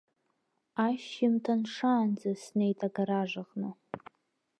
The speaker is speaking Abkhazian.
Ашьжьымҭан шаанӡа снеит агараж аҟны.